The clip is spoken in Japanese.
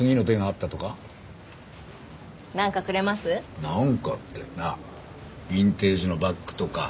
あっビンテージのバッグとか？